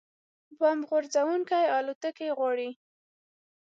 بمب غورځوونکې الوتکې غواړي